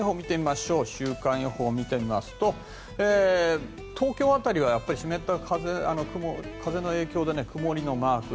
週間予報を見てみますと東京辺りは湿った風の影響で曇りマーク。